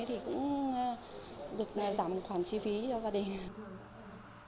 thì cũng được giảm khoản chi phí cho gia đình